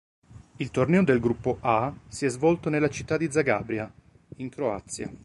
Il torneo del Gruppo A si è svolto nella città di Zagabria, in Croazia.